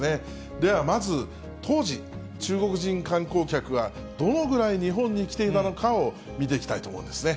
では、まず、当時、中国人観光客がどのぐらい日本に来ていたのかを見ていきたいと思うんですね。